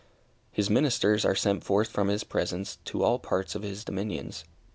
His ministers are sent forth from His presence to all parts of His dominions.